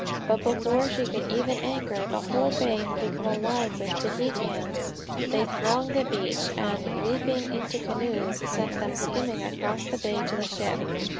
But before she could even anchor the whole bay had become alive with Tahitians. They thronged the beach, and, leaping into canoes, sent them skimming across the bay to the ship.